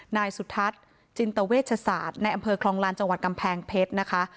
นายสุทัศน์จินตเวชศาสตร์ในอำเภอคลองลานจังหวัดกำแพงเพชรนะคะ